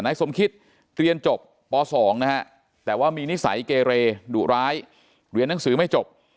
นายสมคิตเรียนจบป๒นะฮะแต่ว่ามีนิสัยเกเรดุร้ายเรียนหนังสือไม่จบ